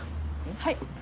はい。